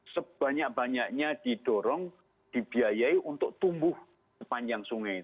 sebanyak banyaknya didorong dibiayai untuk tumbuh sepanjang sungai